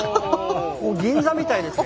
ここ銀座みたいですね。